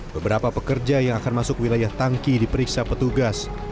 beberapa pekerja yang akan masuk wilayah tangki diperiksa petugas